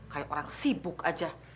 kayak orang sibuk aja